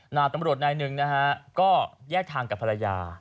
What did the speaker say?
ตำรวจนายหนึ่งนะฮะก็แยกทางกับภรรยา